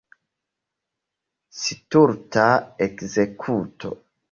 Stulta ekzekuto!